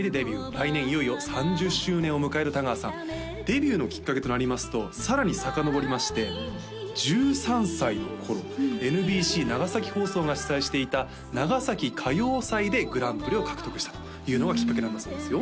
来年いよいよ３０周年を迎える田川さんデビューのきっかけとなりますとさらにさかのぼりまして１３歳の頃ＮＢＣ長崎放送が主催していた長崎歌謡祭でグランプリを獲得したというのがきっかけなんだそうですよ